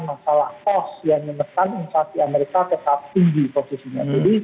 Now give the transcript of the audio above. masalah kos yang menekan inflasi amerika tetap tinggi posisinya